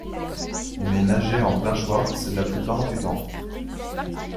mais nageait en plein schwartz la plupart du temps.